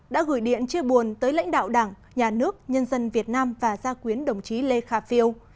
đã gửi điện chia buồn tới lãnh đạo đảng nhà nước nhân dân việt nam và gia quyến đồng chí lê khả phiêu